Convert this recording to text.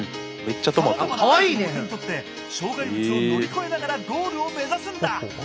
さまざまなアイテムを手に取って障害物を乗り越えながらゴールを目指すんだ。